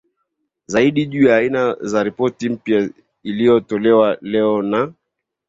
zaidi juu ya aina za Ripoti mpya iliyotolewa leo na